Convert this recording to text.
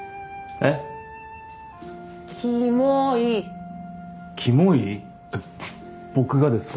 えっ僕がですか？